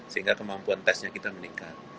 sehingga kemampuan tesnya kita meningkat